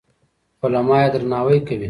علما يې درناوي کول.